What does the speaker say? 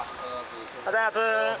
おはようございます。